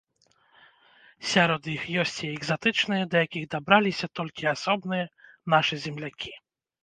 Сярод іх ёсць і экзатычныя, да якіх дабраліся толькі асобныя нашы землякі.